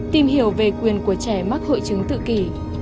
tìm hiểu về quyền của trẻ mắc hội chứng tự kỷ